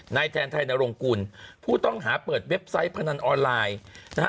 แทนไทยนรงกุลผู้ต้องหาเปิดเว็บไซต์พนันออนไลน์นะฮะ